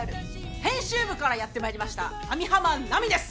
編集部からやって参りました網浜奈美です。